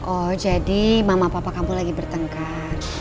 oh jadi mama papa kamu lagi bertengkar